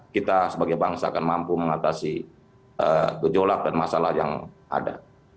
kita sebagai bangsa akan mampu mengatasi gejolak dan masalah yang ada